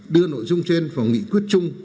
đưa nội dung trên vào nghị quyết riêng